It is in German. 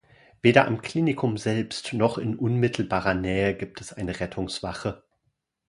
Weder am Klinikum selbst, noch in unmittelbarer Nähe, gibt es eine Rettungswache.